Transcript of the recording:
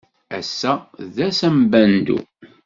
Ass-a d ass ambandu.